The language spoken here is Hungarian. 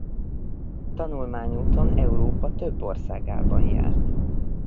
Tanulmányúton Európa több országában járt.